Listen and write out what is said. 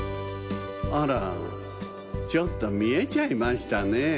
あらちょっとみえちゃいましたね。